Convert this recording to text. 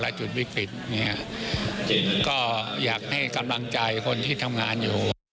เวลาจุดวิกฤตเนี่ย